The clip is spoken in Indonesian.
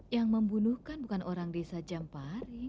yang membunuhkan bukan orang desa jampari